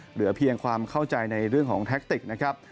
เหลือเพียงความเข้าใจในเรื่องของแท็กติกนะครับ